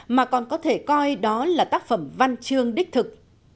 mà còn có thể coi đó là tác phẩm văn chương đích thực